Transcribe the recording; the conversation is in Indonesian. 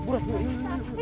murah dulu yuk yuk yuk